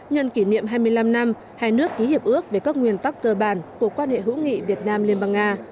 nhân kỷ niệm hai mươi năm năm hai nước ký hiệp ước về các nguyên tắc cơ bản của quan hệ hữu nghị việt nam liên bang nga